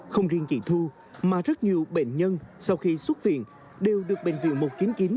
không riêng chị thu mà rất nhiều bệnh nhân sau khi xuất viện đều được bệnh viện mục kiến kiến